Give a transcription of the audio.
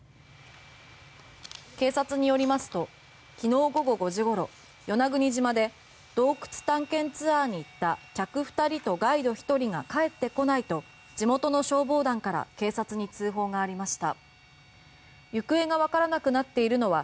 警察によりますときのう午後５時ごろ与那国島で洞窟探検ツアーに行った客２人とガイド１人が帰ってこないと地元の消防団から警察に通報がありました。